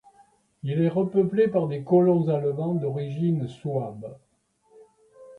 Il est repeuplé par des colons allemands d'origine souabe.